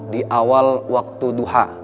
di awal waktu duha